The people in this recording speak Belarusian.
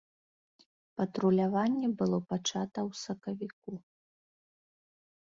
Патруляванне было пачата ў сакавіку.